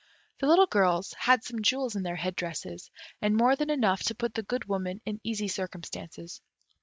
The little girls had some jewels in their head dresses, and more than enough to put the Good Woman in easy circumstances.